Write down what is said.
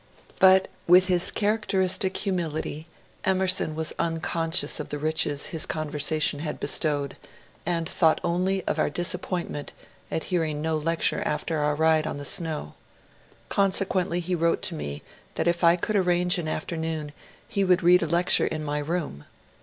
But with his characteristic humility Emerson wfis uncon scious of the riches his conversation had bestowed, and thought only of our disappointment at hearing no lecture after our ride on the snow. Consequently he wrote to me that if I could arrange an afternoon he would read a lecture in my room.